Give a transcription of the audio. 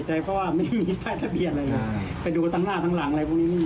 แล้วโดยปกติเนี่ยเสร็จมีรถมาจอด